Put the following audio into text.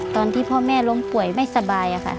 ตอนที่พ่อแม่ล้มป่วยไม่สบายค่ะ